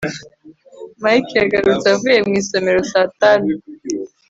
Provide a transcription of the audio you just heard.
mike yagarutse avuye mu isomero saa tanu